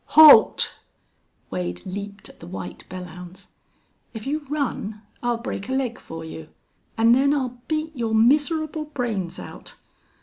"Halt!..." Wade leaped at the white Belllounds. "If you run I'll break a leg for you an' then I'll beat your miserable brains out!...